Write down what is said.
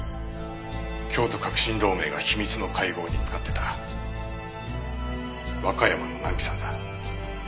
京都革新同盟が秘密の会合に使ってた和歌山の南紀山だ。